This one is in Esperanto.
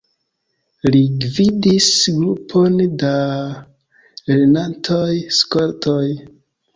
Li gvidis grupon da lernantoj-skoltoj.